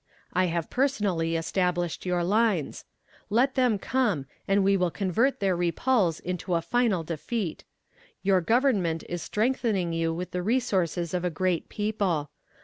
I have personally established your lines. Let them come, and we will convert their repulse into a final defeat. Your Government is strengthening you with the resources of a great people.